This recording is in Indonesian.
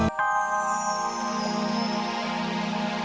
ini bukan sama sekali